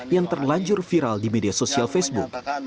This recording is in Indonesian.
yang terlanjur viral di media sosial facebook